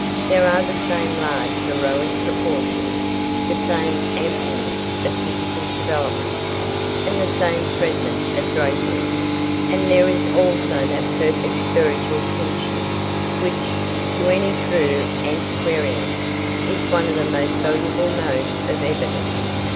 There are the same large heroic proportions, the same ampleness of physical development, and the same treatment of drapery, and there is also that perfect spiritual kinship which, to any true antiquarian, is one of the most valuable modes of evidence.